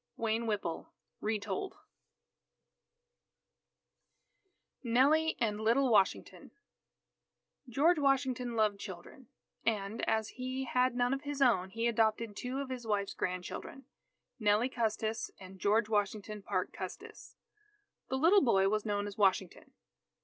Wayne Whipple (Retold) NELLIE AND LITTLE WASHINGTON George Washington loved children, and, as he had none of his own, he adopted two of his wife's grandchildren, Nellie Custis and George Washington Parke Custis. The little boy was known as "Washington."